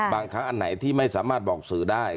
บางครั้งอันไหนที่ไม่สามารถบอกสื่อได้